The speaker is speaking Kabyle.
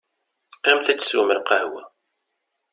Qqimet ad teswem lqahwa.